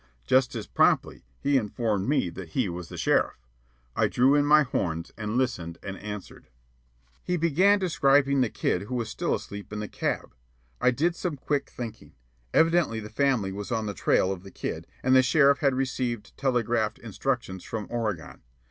Just as promptly he informed me that he was the sheriff. I drew in my horns and listened and answered. He began describing the kid who was still asleep in the cab. I did some quick thinking. Evidently the family was on the trail of the kid, and the sheriff had received telegraphed instructions from Oregon.